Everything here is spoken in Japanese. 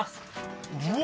うわ！